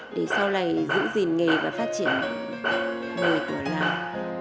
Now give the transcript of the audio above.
để sau này giữ gìn nghề và phát triển nghề của lào